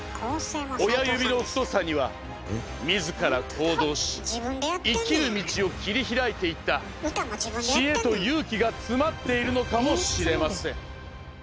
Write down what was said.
親指の太さには自ら行動し生きる道を切り開いていった知恵と勇気が詰まっているのかもしれません。